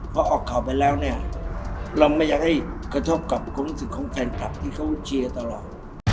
พอออกข่าวไปแล้วเนี่ยเราไม่อยากให้กระทบกับความรู้สึกของแฟนคลับที่เขาเชียร์ตลอด